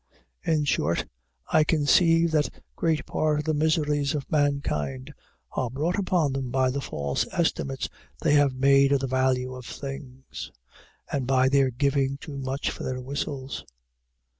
In short, I conceive that great part of the miseries of mankind are brought upon them by the false estimates they have made of the value of things, and by their giving too much for their whistles.